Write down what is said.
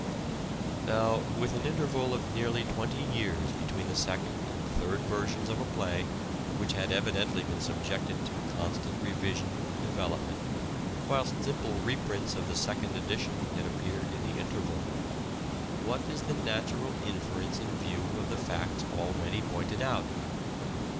Now, with an interval of nearly twenty years between the second and third versions of a play which had evidently been subjected to constant revision and development, whilst simple reprints of the second edition had appeared in the interval, what is the natural inference in view of the facts already pointed out